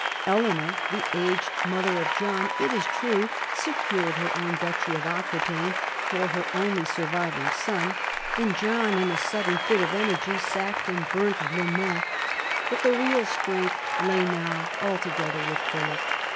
Eleanor, the aged mother of John, it is true, secured her own duchy of Aquitaine for her only surviving son, and John, in a sudden fit of energy, sacked and burnt Le Mans. But the real strength lay now altogether with Philip.